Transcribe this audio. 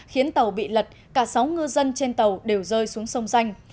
khiến tàu bị lật cả sáu ngư dân trên tàu đều rơi xuống sông danh